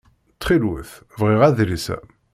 Ttxil-wet bɣiɣ adlis-a.